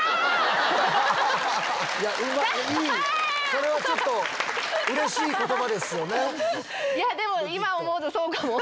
それはちょっとうれしい言葉ですよね。